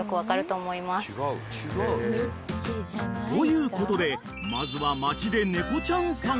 ［ということでまずは］